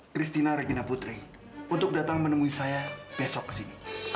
christina regina putri untuk datang menemui saya besok kesini